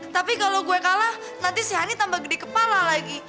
tapi kalau gue kalah nanti siani tambah gede kepala lagi